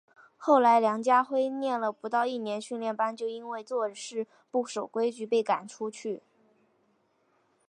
后来梁家辉念了不到一年训练班就因为做事不守规矩被赶出。